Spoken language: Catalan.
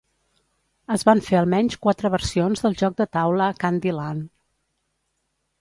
Es van fer almenys quatre versions del joc de taula "Candy Land".